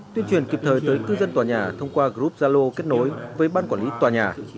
tuyên truyền kịp thời tới cư dân tòa nhà thông qua group gia lô kết nối với bán quản lý tòa nhà